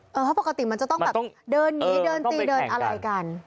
เพราะปกติมันจะต้องแบบเดินหนีเดินตีเดินอะไรกัน